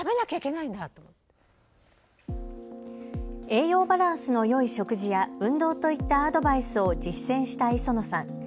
栄養バランスのよい食事や運動といったアドバイスを実践した磯野さん。